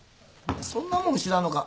そんなもんも知らんのか！？